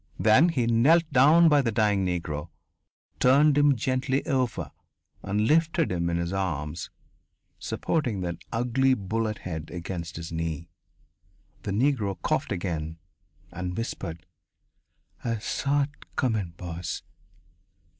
Then he knelt down by the dying Negro, turned him gently over and lifted him in his arms, supporting that ugly bullet head against his knee. The Negro coughed again, and whispered: "I saw it comin', boss."